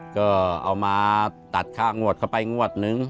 ก็เอามาตัดค่างวดเข้าไปงวดนึง